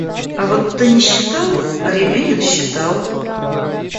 А вот ты не считал, а Рябинин считал.